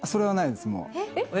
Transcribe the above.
えっ？